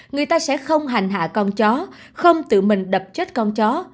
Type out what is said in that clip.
người ta sẽ không hành hạ con chó không tự mình đập chết con chó